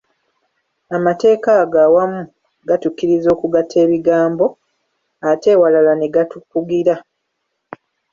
Amateeka ago awamu gatukkiriza okugatta ebigambo, ate ewalala ne gatukugira.